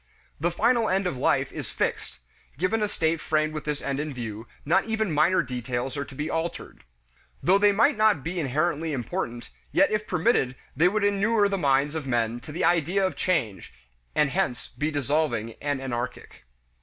The final end of life is fixed; given a state framed with this end in view, not even minor details are to be altered. Though they might not be inherently important, yet if permitted they would inure the minds of men to the idea of change, and hence be dissolving and anarchic.